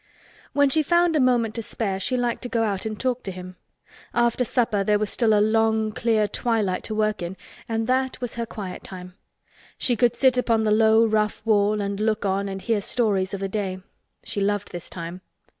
When she found a moment to spare she liked to go out and talk to him. After supper there was still a long clear twilight to work in and that was her quiet time. She could sit upon the low rough wall and look on and hear stories of the day. She loved this time.